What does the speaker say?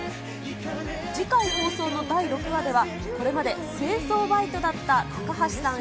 次回放送の第６話では、これまで清掃バイトだった高橋さん